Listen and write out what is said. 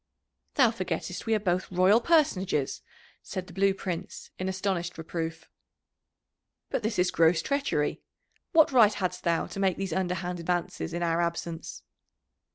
"Thou forgettest we are both royal personages," said the Blue Prince in astonished reproof. "But this is gross treachery what right hadst thou to make these underhand advances in our absence?"